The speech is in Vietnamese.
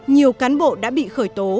nhiều cán bộ đã bị khởi tố